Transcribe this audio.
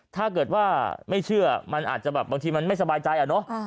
ถ้าเกิดว่าไม่เชื่อมันอาจจะแบบบางทีมันไม่สบายใจอะเนาะ